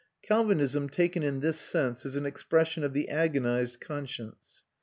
Calvinism, taken in this sense, is an expression of the agonised conscience.